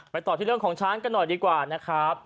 ต่อที่เรื่องของช้างกันหน่อยดีกว่านะครับ